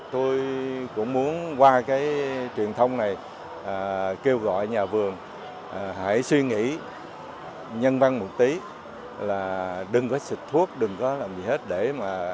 tôi cũng muốn qua cái truyền thông này kêu gọi nhà vườn hãy suy nghĩ nhân văn một tí là đừng có xịt thuốc đừng có làm gì hết để mà